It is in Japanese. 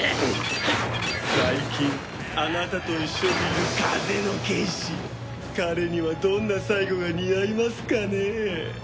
最近あなたと一緒にいる風の剣士彼にはどんな最期が似合いますかねえ。